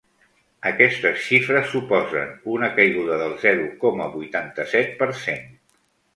Aquestes xifres suposen una caiguda del zero coma vuitanta-set per cent.